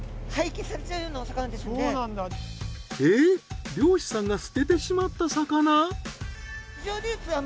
えっ漁師さんが捨ててしまった魚？